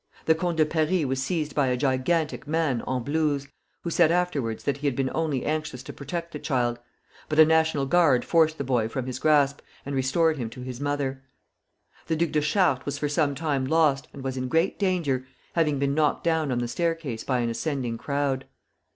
The Comte de Paris was seized by a gigantic man en blouse, who said afterwards that he had been only anxious to protect the child; but a National Guard forced the boy from his grasp, and restored him to his mother. The Duc de Chartres was for some time lost, and was in great danger, having been knocked down on the staircase by an ascending crowd.